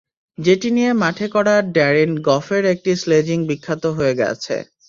যেটি নিয়ে মাঠে করা ড্যারেন গফের একটি স্লেজিং বিখ্যাত হয়ে আছে।